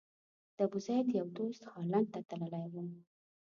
د ابوزید یو دوست هالند ته تللی و.